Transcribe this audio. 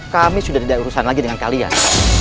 kami sudah tidak urusan lagi dengan kalian